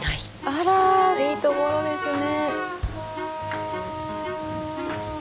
あらいいところですね。